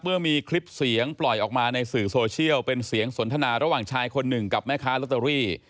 เมื่อมีคลิปเสียงปล่อยออกมาในสื่อโซเชียลเป็นเสียงสนทนาระหว่างชายคนหนึ่งกับแม่ค้าลอตเตอรี่